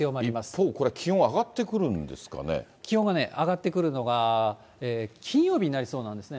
一方、これは気温上がってく気温がね、上がってくるのが金曜日になりそうなんですね。